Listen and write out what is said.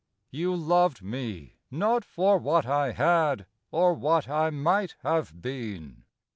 You loved me, not for what I had Or what I might have been.